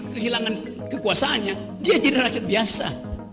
kehilangan kekuasaannya dia jadi rakyat biasa